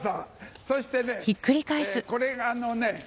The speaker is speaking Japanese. そしてねこれがあのね。